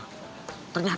ternyata mamanya reva